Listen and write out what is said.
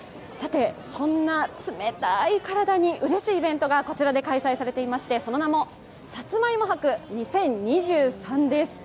そんな冷たい体にうれしいイベントがこちらで開催されていまして、その名もさつまいも博２０２３です。